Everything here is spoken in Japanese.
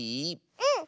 うん！